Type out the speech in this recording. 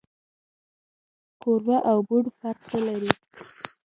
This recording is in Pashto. کورمه او بوڼ فرق نه لري